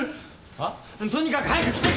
はっ？とにかく早く来てくれ。